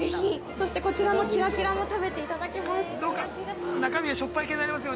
そして、こちらのキラキラも食べていただけます。